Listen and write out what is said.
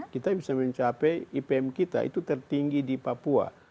kita bisa mencapai ipm kita itu tertinggi di papua